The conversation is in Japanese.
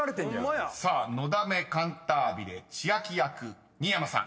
［さあ『のだめカンタービレ』千秋役新山さん］